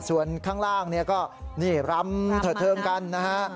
ส่วนข้างล่างก็รำเถอะเทิงกัน